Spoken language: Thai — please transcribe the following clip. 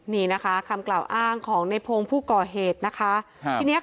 นี่นะคะคำกล่าวอ้างของในพงศ์ผู้ก่อเหตุนะคะครับทีเนี้ย